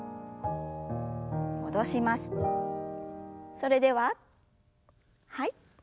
それでははい。